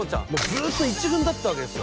ずっと１軍だったわけですよ